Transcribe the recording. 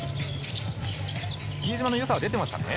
比江島の良さが出てましたね。